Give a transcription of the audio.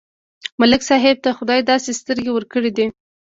ملک صاحب ته خدای داسې سترګې ورکړې دي،